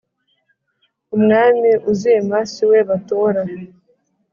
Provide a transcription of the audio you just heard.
Umwami uzima siwe batora